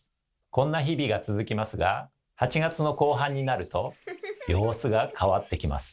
こんな日々が続きますが８月の後半になると様子が変わってきます。